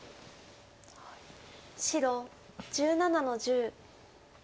白１７の十。